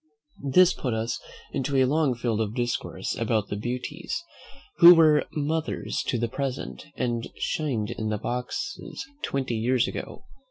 This put us into a long field of discourse about the beauties, who were mothers to the present, and shined in the boxes twenty years ago.